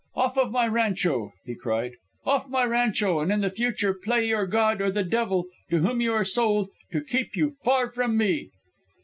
Off of my rancho!" he cried. "Off my rancho, and in the future pray your God, or the devil, to whom you are sold, to keep you far from me."